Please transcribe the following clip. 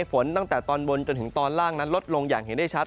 ฝนตั้งแต่ตอนบนจนถึงตอนล่างนั้นลดลงอย่างเห็นได้ชัด